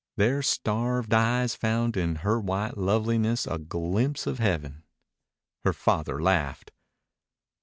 Their starved eyes found in her white loveliness a glimpse of heaven. Her father laughed.